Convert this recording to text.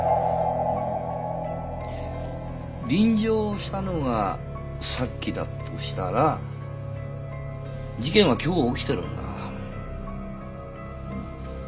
臨場したのがさっきだとしたら事件は今日起きてるんだ。